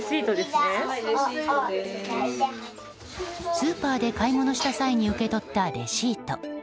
スーパーで買い物した際に受け取ったレシート。